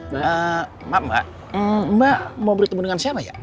maaf mbak mbak mau bertemu dengan siapa ya